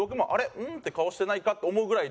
「うん」って顔してないかって思うぐらいで。